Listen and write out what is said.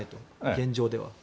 現状では。